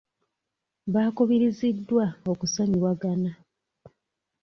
Baakubiriziddwa okusonyiwagana.